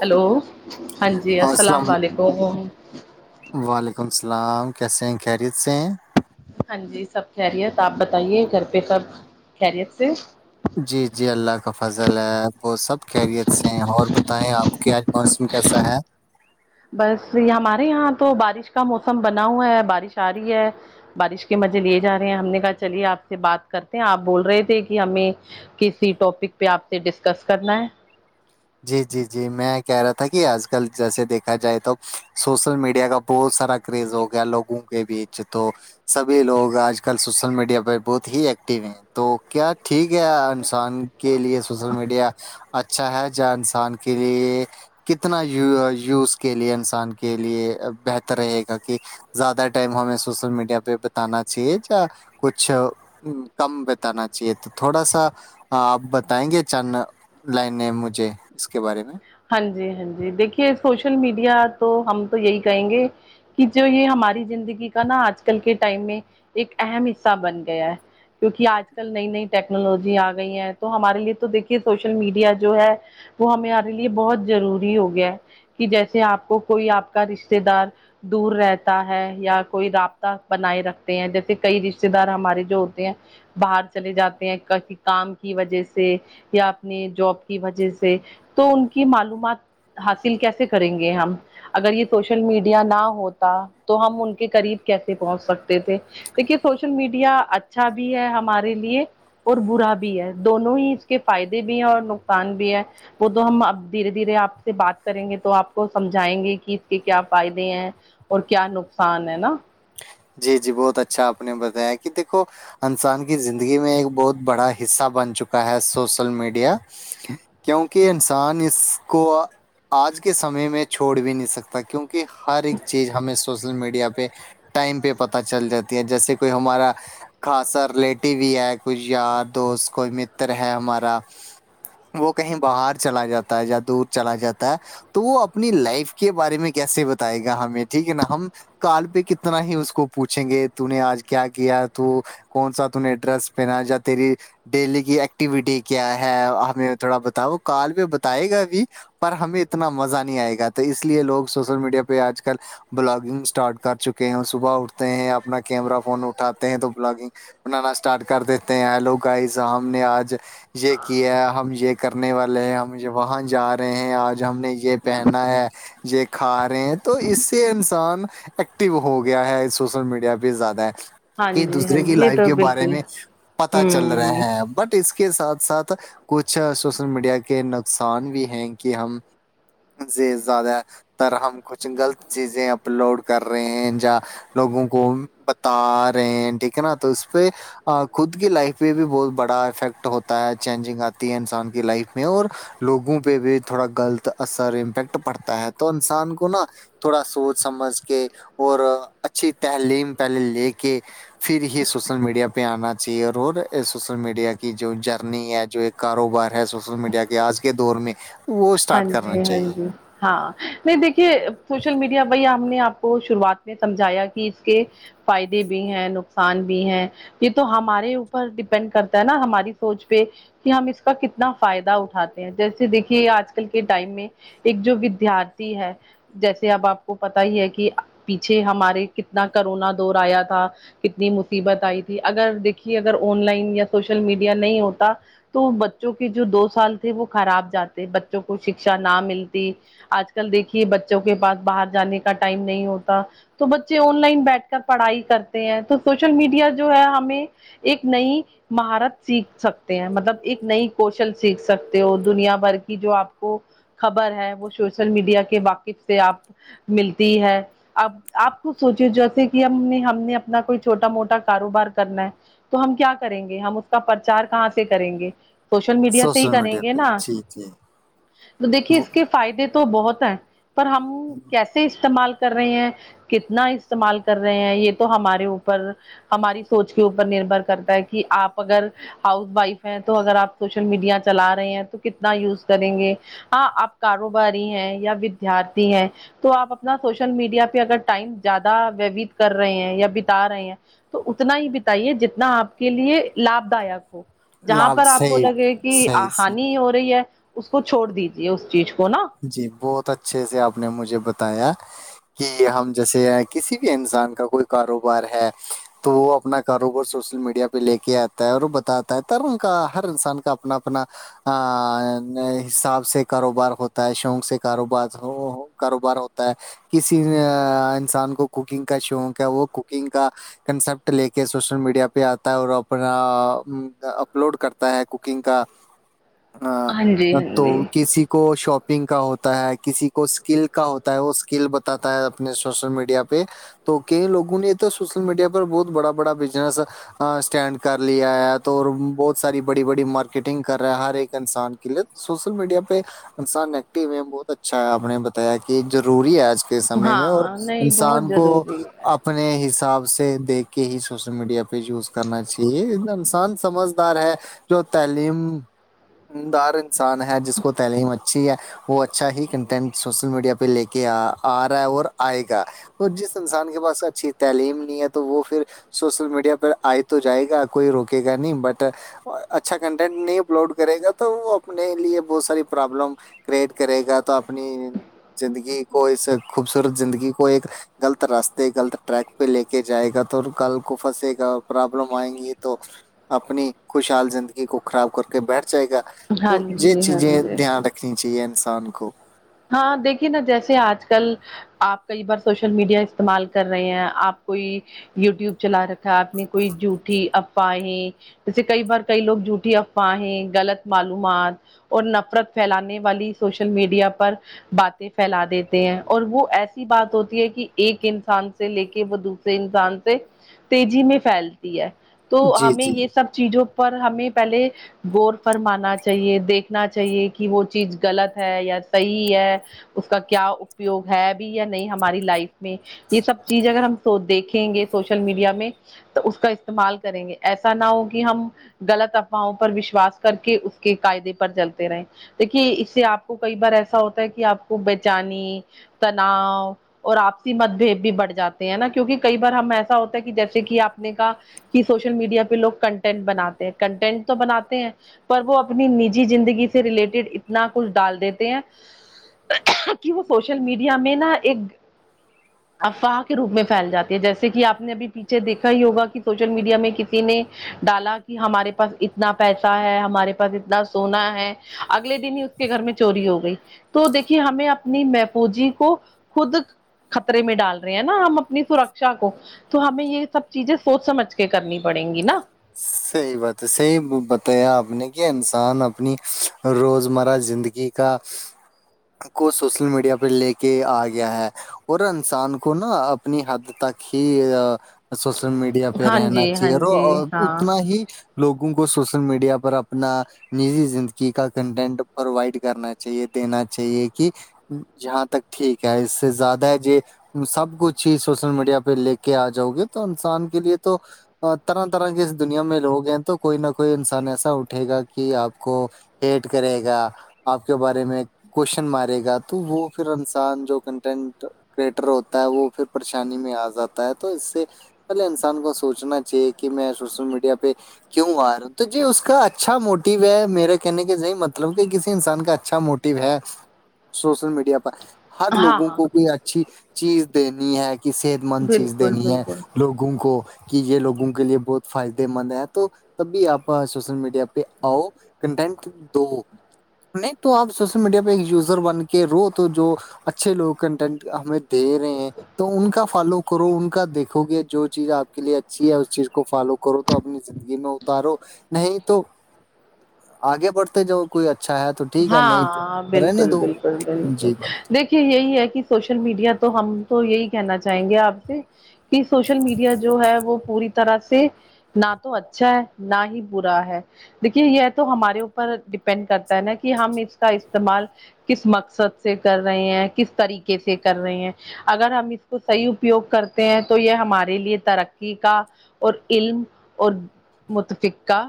hello ہاں جی السلام ععلیکم وہ وہ وعلیکم السلام کیسے ہیں خیریت سے ہیں ہاں جی سب خیریت آپ بتائیے گھر پہ سب خیریت سے جی جی اللہ کا فضل ہے وہ سب خریت سے ہیں اور بت ہے آپ کے آج موسم کیسا ہے بس یہ ہمارے یہاں تو بارش کا موسم بنا ہوا ہے بارش آ رہی ہے بارش کے مزے لیے جا رہے ہیں ہم نے کہا چلیے آپ سے بات کرتے ہیں آپ بول رہے تھے کہ ہمیں کسی ٹاپک پہ آپ سے ڈسکس کرنا ہے جی جی جی میں کہہ رہا تھا کہ آج کل جیسے دیکھا جائے تو سوشل میڈیا کا بہت سارا کریز ہو گیا لوگوں کے بیچ تو سبھی لوگ آج کل سوشل میڈیا پہ بہت ہی ایکٹو ہیں تو کیا ٹھیک ہے ان انسان کے لیے سوشل میڈیا اچھا ہے جہ انسان کے لیے کتنا یوز کے لیے انسان کے لیے بہتر رہے گا کہ زیادہ ٹائم ہمیں سوشل میڈیا پہ بتانا چاہیے ج کچھ کم بتانا چاہیے تو تھوڑا سا ہاں آپ بتائیں گے چ لائن مجھے اس کے بارے میں ہاں جی ہاں جی دیکھیے سوشل میڈیا تو ہم تو یہی کہیں گے کہ جو یہ ہماری زندگی کا نا آج کل کے ٹائم میں ایک اہم حصہ بن گیا ہے کیونکہ آج کل نئی نئی ٹیکنالوجی آ گئی ہے تو ہمارے لیے تو دیکھیے سوشل میڈیا جو ہے وہ ہمارے لیے بہت ضروری ہو گیا ہے کہ جیسے آپ کو کوئی آپ کا رشتے دار دور رہتا ہے یا کوئی رابطہ بنائے رکھتے ہیں جیسے کئی رشتے دار ہمارے جو ہوتے ہیں باہر چلے جاتے ہیں کسی کام کی وجہ سے یا اپنی جاب کی وجہ سے تو ان کی معلومات حاصل کیسے کریں گے ہم اگر یہ سوشل میڈیا نہ ہوتا تو ہم ان کے قریب کیسے پہنچ سکتے تھے دیکھیے سوشل میڈیا اچھا بھی ہے ہمارے لیے اور برا بھی ہے دونوں ہی اس کے فائدے بھی ہیں اور نقصان بھی ہے وہ تو ہم اب دھیرے دھیرے آپ سے بات کریں گے تو آپ کو سمجھائیں گے کہ اس کے کیا فائدے ہیں اور کیا نقصان ہے نا جی جی بہت اچھاپ نے بتایا کہ دیکھو انسان کی زندگی میں ایک بہت بڑا حصہ بن چکا ہے سوشل میڈیا کیونکہ انسان اس کو آج کے سمے میں چھوڑ بھی نہیں سکتا کیونکہ ہر ایک چیز ہمیں سوشل میڈیا پہ ٹائم پہ پتہ چل جاتی ہے جیسے کوئی ہمارا خاصا ریلیٹیو بھی ہے کچھ یار دوست کوئی متر ہے ہمارا وہ کہیں باہر چلا جاتا ہے یا دور چلا جاتا ہے تو وہ اپنی لائف کے بارے میں کیسے بتائے گا ہمیں ٹھیک ہے نا ہم کال پہ کتنے اتنا ہی اس کو پوچھیں گے تو نے آج کیا کیا تو کون سا ت نے ڈریس پہنا جا تیری ڈیلی کی ایکٹیویٹی کیا ہے ہمیں تھوڑا بتاؤ کال پہ بتائے گا بھی پر ہمیں اتنا مزہ نہیں آئے گا تو اس لیے لوگ سوشل میڈیا پہ آج کل بلاگنگ اسٹارٹ کر چکے ہیں صبح اٹھتے ہیں اپنا کیمرہ فون اٹھاتے ہیں تو بلاگنگ بنانا اسٹارٹ کر دیتے ہیں ہیلو گائز ہم نے آج یہ کیا ہم یہ کرنے والے ہیں ہم وہاں جا رہے ہیں آج ہم نے یہ پہنا ہے یہ کھا رہے ہیں تو اس سے انسان ایکٹو ہو گیا ہے سوشل میڈیا پہ زیادہ ہاں کہ جی ہاں دوسرے کی جی یہ لائف تو کے بارے بالکل میں پتا چل رہے ہوں ہیں بٹ اس کے ساتھ ساتھ کچھ سوشل میڈیا کے نقصان بھی ہیں کہ ہم سے زیادہ تر ہم کچھ غلط چیزیں اپلوڈ کر رہے ہیں یا لوگوں کو بتا رہے ہیں ٹھیک ہے نا تو اس پہ خود کی لائف پہ بھی بہت بڑا افیکٹ ہوتا ہے چینجنگ آتی ہے انسان کی لائف میں اور لوگوں پہ بھی تھوڑا غلط اثر امپیکٹ پڑتا ہے تو انسان کو نا تھوڑا سوچ سمجھ کے اور اچھی تحلیم پہلے لے کے پھر ہی سوشل میڈیا پہ آنا چاہیے اور اور سوشل میڈیا کی جو جرنی ہے جو کاروبار ہے سوشل میڈیا کے آج کے دور میں وہ ہاں اسٹارٹ کرنا جی ہاں چاہیے جی ہاں نہیں دیکھیے سوشل میڈیا وہی ہم نے آپ کو شروعات میں سمجھایا کہ اس کے فائدے بھی ہیں نقصان بھی ہیں یہ تو ہمارے اوپر ڈیپینڈ کرتا ہے نا ہماری سوچ پہ کہ ہم اس کا کتنا فائدہ اٹھاتے ہیں جیسے دیکھیے آج کل کل کے ٹائم میں ایک جو ودارتھی ہے جیسے اب آپ کو پتا ہی ہے کہ پیچھے ہمارے کتنا کرونا دور آیا تھا کتنی مصیبت آئی تھی اگر دیکھیے اگر آن لائن یا سوشل میڈیا نہیں ہوتا تو بچوں کے جو دو سال تھے وہ خراب جاتے بچوں کو شکشا نہ ملتی آج کل دیکھیے بچوں کے پاس باہر جانے کا ٹائم نہیں ہوتا تو بچے آن لائن بیٹھ کر پڑھائی کرتے ہیں تو سوشل میڈیا جو ہے ہمیں ایک نئی مہارت سیکھ سکتے ہیں مطلب ایک نئی کوشل سیکھ سکتے ہو دنیا بھر کی جو آپ کو خبر ہے وہ سوشل میڈیا کے واقف سے آپ ملتی ہے آب آپ کو سوچے جیسے کہ ہم نے ہم نے اپنا کوئی چھوٹا موٹا کاروبار کرنا ہے تو ہم کیا کریں گے ہم اس کا پرچار کہاں سے کریں گے سوشل میڈیا سے ہی سوشل کریں میڈیا گے پہ نا جی جی دیکھیے وہ اس کے فائدے تو بہت ہیں پر ہم کیسے استعمال کر رہے ہیں کتنا استعمال کر رہے ہیں یہ تو ہمارے اوپر ہماری سوچ کے اوپر نربھر کرتا ہے کہ آپ اگر ہاؤس وائف ہے تو اگر آپ سوشل میڈیا چلا رہے ہیں تو کتنا یوز کریں گے ہاں آپ کاروباری ہیں یا ودارتھی ہیں تو آپ اپنا سوشل میڈیا پہ اگر ٹائم زیادہ ووت کر رہے ہیں یا بتا رہے ہیں تو اتنا ہی بتائیے جتنا آپ کے لیے لابھ داک ہو جہاں لال پر آپ کو صحیح لگے کہ صحیح صحیح ہانی ہو رہی ہے اس کو چھوڑ دیجے اس چیز کو نا جی بہت اچھے سے آپ نے مجھے بتایا کہ ہم جیسے کسی بھی انسان کا کوئی کاروبار ہے تو وہ اپنا کاروبار سوشل میڈیا پہ لے کے آتا ہے اور وہ بتاتا ہے ترم کا ہر انسان کا اپنا اپنا حساب سے کاروبار ہوتا ہوتا ہے شوق سے کاروبار کاروبار ہوتا ہے [unintelligible] کسی انسان کو کوکنگ کا شوق ہے وہ کوکنگ کا کنسپٹ لے کے سوشل میڈیا پہ آتا ہے اور اپنا اپلوڈ کرتا ہے کوکنگ کا ج [unintelligible] ہاں تو کسی کو شوپ نگ کا ہوتا ہے کسی کو اسکل کا ہوتا ہے وہ اسکل بتاتا ہے اپنے سوشل میڈیا پہ تو کئی لوگوں نے تو سوشل میڈیا پر بہت بڑا بڑا بزنس اسٹینڈ کر لیا ہے تو بہت ساری بڑی بڑی مارکیٹنگ کر رہا ہے ہر ایک انسان سوشل میڈیا پہ انسان ایکٹو ہے بہت اچھا ہے آپ نے بتایا کہ ضروری ہے آج کل سمے میں اور ہاں نہیں بہت انسان کو ضروری ہے آ اپنے حساب سے دیکھ کے ہی سوشل میڈیا پہ یوز کرنا چاہیے انسان سمجھدار ہے جو تعلیم دار انسان ہے جس کو تعلیم اچھی ہے وہ اچھا ہی کنٹینٹ سوشل میڈیا پہ لے کے آ رہا ہے اور آئے گا اور جس انسان کے پاس اچھی تعلیم نہیں ہے تو وہ پھر سوشل میڈیا پ آئے تو جائے گا کوئی روکے گا نہیں بٹ اور اچھا کنٹینٹ نہیں اپلوڈ کرے گا تو وہ اپنے لیے بہت ساری پرابلم کریئٹ کرے گا تو اپنی زندگی کو اس خوبصورت زندگی کو ایک غلط راستے غلط ٹریک پہ لے کے جائے گا تو کل کو پھنسے گا پرابلم آئیں گی تو اپنی خوشحال زندگی کو خراب کر کے بیٹھ جائے گا ہاں تو یہ جی ہاں چیزیں جی دھیان رکھ چاہیے انسان کو [unintelligible] ہاں دیکھیے نا جیسے آج کل آپ کئی بار سوشل میڈیا استعمال کر رہے ہیں آپ کوئی یوٹیوب چلا رکھ تھا اپنی کوئی جوٹھی اب ا ہیں جیسے کئی بار کئی لوگ جھوٹٹی افواہ ہیں غلط معلومات [unintelligible] اور نفرت پھیلانے والی سوشل میڈیا پر باتیں پھیلا دیتے ہیں اور وہ ایسی بات ہوتی ہے کہ ایک انسان سے سے لے کے وہ دوسرے انسان سے تیزی میں پھیلتی ہے تو جی ہمیں جی یہ سب چیزوں پر ہمیں پہلے غور فر ماننا چاہیے دیکھنا چاہیے کہ وہ چیز غلط ہے یا صحیح ہے اس کا کیا اپیوگ ہے اب یا نہیں ہماری لائف میں یہ سب چیز اگر ہم دیکھیں گے سوشل میڈیا میں تو اس کا استعمال کریں گے ایسا نہ ہو کہ ہم غلط افواہوں پر وشواس کر کے اس کے قاعدے پر چلتے رہے دیکھیے اس سے آپ کو کئی بار ایسا ہوتا ہے کہ آپ کو بےچانی تناؤ اور آپسی متبد بھی بڑھ جاتے ہیں نا کیونکہ کئی بار ہم ایسا ہوتا ہے کہ جیسے کہ آپ نے کا کہ سوشل میڈیا پہ لوگ کنٹینٹ بناتے ہیں کنٹینٹ تو بناتے ہیں پر وہ اپنی نجی زندگی سے ریلیٹڈ اتنا کچھ ڈال دیتے ہیں کہ وہ سوشل میڈیا میں نا ایک افواہ کے روپ میں پھیل جات ہے جیسے کہ آپ نے ابھی پیچھے دیکھا ہی ہوگا کہ سوشل میڈیا میں کسی نے ڈالا کہ ہمارے پاس اتنا پیسہ ہے ہمارے پاس اتنا سونا ہے اگلے دن ہی اس کے گھر میں چوری ہو گئی تو دیکھیے ہمیں اپنی محفوجی کو خود خطرے میں ڈال رہے ہیں نا ہم اپنی سرکشا کو تو ہمیں یہ سب چیزیں سوچ سمجھ کے کرنی پڑیں گی نا صحیح بات ہے صحیح بتایا آپ نے کہ انسان اپنی روزمرہ زندگی کا کو سوشل میڈیا پہ لے کے آ گیا ہے اور انسان کو نا اپنی حد تک ہی سوشل میڈیا میڈیا پہ ہاں رہنا جی ہاں چاہیے جی ہاں اتنا ہی لوگوں کو سوشل میڈیا پر اپنا نجی زندگی کا کنٹینٹ پرووائڈ کرنا چاہیے دینا چاہیے کہ جہاں تک ٹھیک ہے اس سے زیادہ ہے ج سب کچھ ہی سوشل میڈیا پہ لے کے آ جاؤ گے تو انسان کے لیے تو طرح طرح کی دنیا میں لوگ ہیں تو کوئی نہ کوئی انسان ایسا اٹھے گا کہ آپ کو پٹ کرے گا آپ کے بارے میں کوشچن مارے گا تو وہ پھر انسان جو کنٹینٹ کریٹر ہوتا ہے وہ پھر پریشانی میں آ جاتا ہے تو اس سے پہلے انسان کو سوچنا چاہیے کہ میں سوشل میڈیا پہ کیوں آ رہا ہوں تو جی اس کا اچھا موٹو ہے میرا کہنے کےی مطلب کہ کسی انسان کا اچھا موٹو ہے سوشل میڈیا پر ہر ہاں لوگوں ہاں کو کوئی اچھی چیز دینی ہے کہ صحت مند چیز بالکل دینی ہے بالکل لوگوں کو کہ یہ لوگوں کے لیے بہت فائدے مند ہے تو تبھی آپ سوشل میڈیا پہ آؤ کنٹینٹ دو نہیں تو آپ سوشل میڈیا پہ ایک یوزر بن کے رو تو جو اچھے لوگ کنٹینٹ ہمیں دے رہے ہیں تو ان کا فالو کرو ان کا دیکھو گے جو چیز آپ کے لیے اچھی ہے اس چیز کو فالو کرو تو اپنی زندگی میں اتارو نہیں تو آگے بڑتے جب کوئی اچھا ہے تو ٹھیک ہے نہیں ہاں تو رہنے بالکل دو بالکل بالکل جی بات دیکھیے یہی ہے کہ سوشل میڈیا تو ہم تو یہی کہنا چاہیں گے آپ سے کہ سوشل میڈیا جو ہے وہ پوری طرح سے نہ تو اچھا ہے نہ ہی برا ہے دیکھیے یہ تو ہمارے اوپر ڈیپینڈ کرتا ہے نا کہ ہم اس کا استعمال کس مقصد سے کر رہے ہیں کس طریقے سے کر رہے ہیں اگر ہم اس کو صحیح اپیوگ کرتے ہیں تو یہ ہمارے لیے ترقی کا اور علم اور متفقہ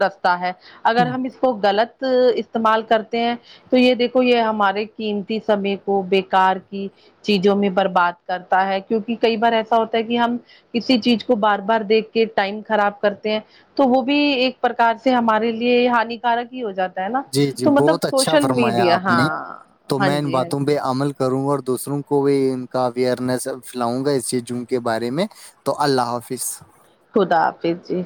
رستہ ہے اگر ہم اس کو غلط استعمال کرتے ہیں تو یہ دیکھو یہ ہمارے قیمتی سمے کو بےکار کی چیزوں میں برباد کرتا ہے کیونکہ کئی بار ایسا ہوتا ہے کہ ہم کسی چیز کو بار بار دیکھ کے ٹائم خراب کرتے ہیں تو وہ بھی ایک پرکار سے ہمارے لیے ہانیکارک ہی ہو جاتا ہے نا جی جی تو مطلب بہت اچھا سوشل فرمایا میڈیا آپ ہاں نے تو ہاں میں ان جی ہاں باتوں عمل کروں گا اور دوسروں کو بھی ان کا اوئرنیس پھیلاؤں گا اس چیز ج کے بارے میں تو اللہ حافظ خدا حافظ جی